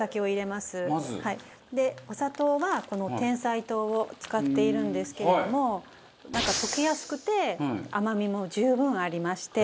まず。でお砂糖はこのてんさい糖を使っているんですけれどもなんか溶けやすくて甘味も十分ありまして。